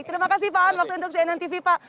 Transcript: terima kasih pak an waktu untuk cnn tv pak